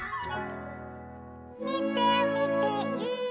「みてみてい！」